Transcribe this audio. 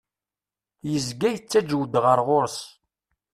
Yezga yettaǧew-d ɣer ɣur-s.